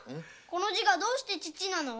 この字がどうして「父」なの？